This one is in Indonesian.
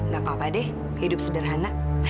gak apa apa deh hidup sederhana